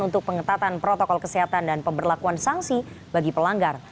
untuk pengetatan protokol kesehatan dan pemberlakuan sanksi bagi pelanggar